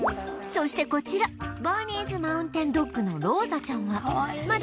そしてこちらバーニーズ・マウンテン・ドッグのローザちゃんはまだ生後４カ月